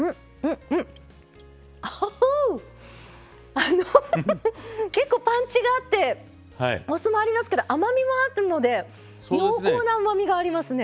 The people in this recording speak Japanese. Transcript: あの結構パンチがあってお酢もありますけど甘みもあるので濃厚なうまみがありますね。